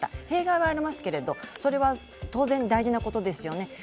弊害はありますけれども、それは当然大事なことですよね。